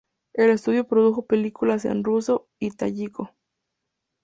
El estudio produjo películas en ruso y tayiko.